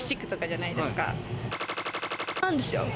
なんですよ。